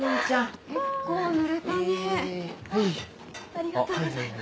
ありがとうございます。